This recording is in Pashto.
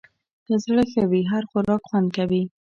که زړه ښه وي، هر خوراک خوند کوي.